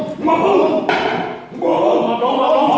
ตำรวจแห่งมือ